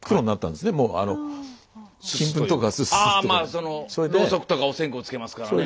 そのろうそくとかお線香つけますからね。